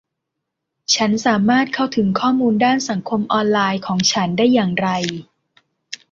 ฉันสามารถเข้าถึงข้อมูลด้านสังคมออนไลน์ของฉันได้อย่างไร